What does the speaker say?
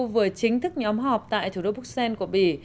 vừa chính thức nhóm họp tại thủ đô bruxelles của bỉ